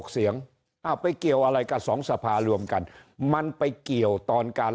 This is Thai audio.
เสียงอ้าวไปเกี่ยวอะไรกับสองสภารวมกันมันไปเกี่ยวตอนการ